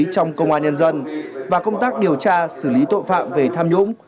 trong công an nhân dân và công tác điều tra xử lý tội phạm về tham nhũng